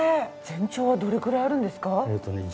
全長はどれくらいあるんですか？